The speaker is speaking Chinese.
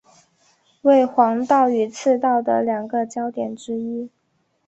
为黄道与赤道的两个交点之一。